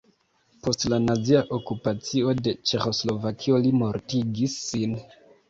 Post la nazia okupacio de Ĉeĥoslovakio li mortigis sin.